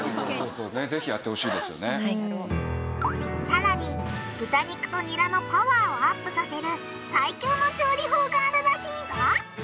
さらに豚肉とニラのパワーをアップさせる最強の調理法があるらしいぞ。